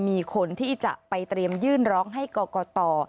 มีคนที่จะไปเตรียมยื่นร้องให้กรกต